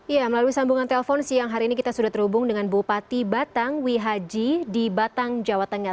ya melalui sambungan telepon siang hari ini kita sudah terhubung dengan bupati batang wihaji di batang jawa tengah